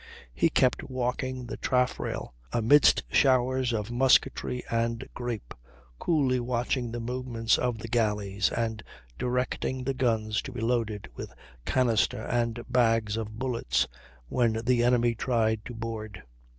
He kept walking the taffrail amidst showers of musketry and grape, coolly watching the movements of the galleys and directing the guns to be loaded with canister and bags of bullets, when the enemy tried to board.